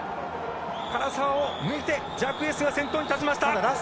唐澤を抜いてジャクエスが先頭に立ちました。